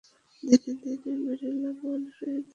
দিনে দিনে মোরেলা মান হয়ে যাচ্ছিল।